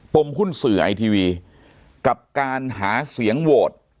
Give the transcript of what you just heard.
มหุ้นสื่อไอทีวีกับการหาเสียงโหวต